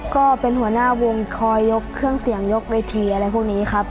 ก็เป็นหัวหน้าวงคอยยกเครื่องเสียงยกเวทีอะไรพวกนี้ครับ